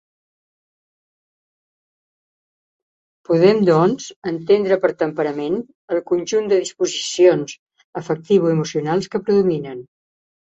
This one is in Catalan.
Podem, doncs, entendre per temperament el conjunt de disposicions afectivo-emocionals que predominen.